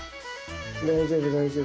大丈夫大丈夫。